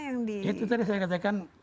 yang itu tadi saya katakan